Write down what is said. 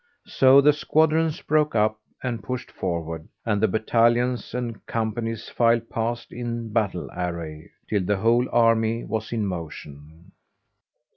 So the squadrons broke up and pushed forward and the battalions and companies filed past in battle array, till the whole army was in motion.